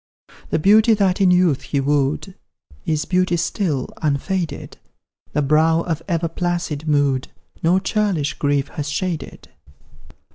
The beauty that in youth he wooed, Is beauty still, unfaded; The brow of ever placid mood No churlish grief has shaded.